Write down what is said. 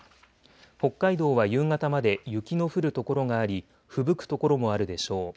北海道は夕方まで雪の降る所があり、ふぶく所もあるでしょう。